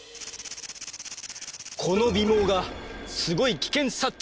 この尾毛がすごい危険察知